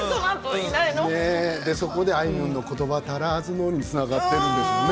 そこで、あいみょんの歌につながっているんでしょうね。